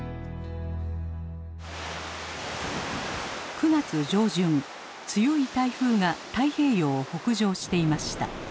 ９月上旬強い台風が太平洋を北上していました。